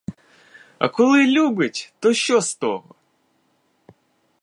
А коли любить, то що з того?